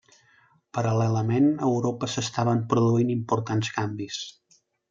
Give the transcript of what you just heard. Paral·lelament a Europa s'estaven produint importants canvis.